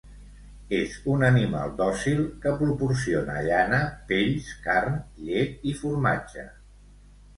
És un animal dòcil que proporciona llana, pells, carn, llet i formatge.